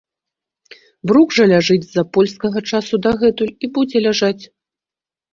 Брук жа ляжыць з-за польскага часу дагэтуль і будзе ляжаць!